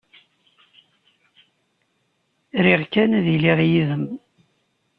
Riɣ kan ad iliɣ yid-m.